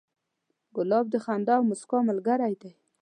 ګلاب د خندا او موسکا ملګری دی.